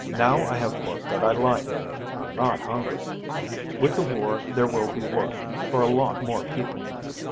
Now I have work that I like. I'm not hungry. With the war, there will be work for a lot more people.